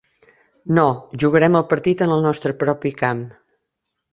No, jugarem el partit en el nostre propi camp.